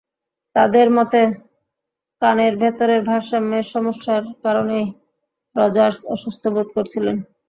তাঁদের মতে, কানের ভেতরের ভারসাম্যের সমস্যার কারণেই রজার্স অসুস্থ বোধ করছিলেন।